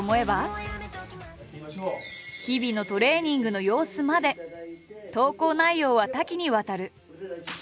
日々のトレーニングの様子まで投稿内容は多岐にわたる。